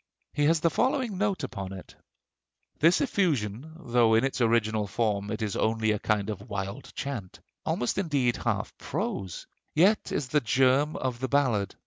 He has the following note upon it: "This effusion, although in its original form it is only a kind of wild chant, almost indeed half prose, yet is the germ of the ballad.